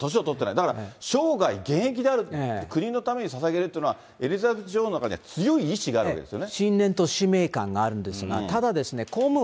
だから生涯現役であると、国のためにささげるっていうのは、エリザベス女王の中に強い意思があるということですね。